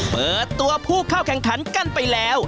เปิดตัวผู้เข้าแข่งขันกันไปแล้ว